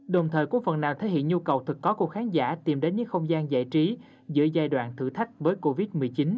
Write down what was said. đồng thời có phần nào thể hiện nhu cầu thực có của khán giả tìm đến những không gian giải trí giữa giai đoạn thử thách với covid một mươi chín